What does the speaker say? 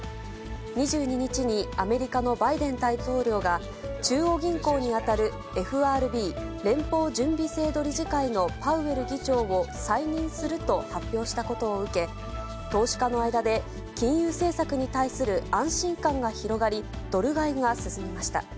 ２２日にアメリカのバイデン大統領が、中央銀行に当たるＦＲＢ・連邦準備制度理事会のパウエル議長を再任すると発表したことを受け、投資家の間で金融政策に対する安心感が広がり、ドル買いが進みました。